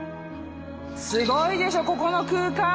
すごいでしょここの空間。